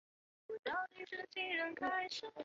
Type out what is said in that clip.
维也纳森林儿童合唱团。